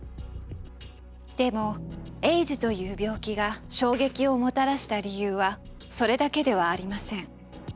でもエイズという病気が衝撃をもたらした理由はそれだけではありません。